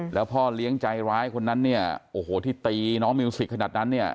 แล้วพ่อเลี้ยงใจร้ายคนนั้นเนี่ยโอ้โหที่ตีน้องมิวสิกขนาดนั้นเนี่ย